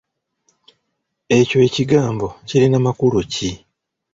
Ekyo ekigambo kirina makulu ki?